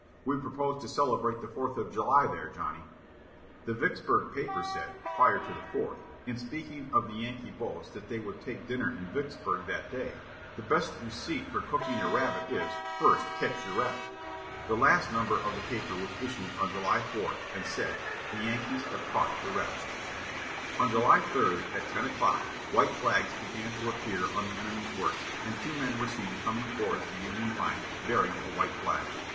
"We propose to celebrate the Fourth of July there, Johnnie." The Vicksburg paper said, prior to the Fourth, in speaking of the Yankee boast that they would take dinner in Vicksburg that day, "The best receipt for cooking a rabbit is, 'First ketch your rabbit!'" The last number of the paper was issued on July 4, and said, "The Yankees have caught the rabbit." On July 3, at ten o'clock, white flags began to appear on the enemy's works, and two men were seen coming towards the Union lines, bearing a white flag.